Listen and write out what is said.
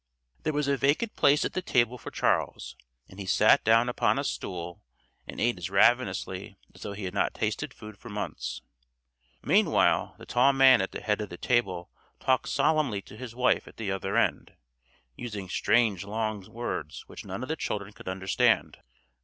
There was a vacant place at the table for Charles, and he sat down upon a stool and ate as ravenously as though he had not tasted food for months. Meanwhile the tall man at the head of the table talked solemnly to his wife at the other end, using strange long words which none of the children could understand.